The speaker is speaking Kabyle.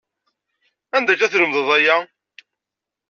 Anda akka tlemedeḍ aya?